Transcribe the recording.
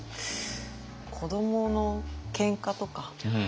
子どものけんかとか。